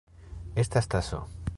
Estas taso.